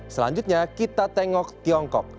selanjutnya kita tengok tiongkok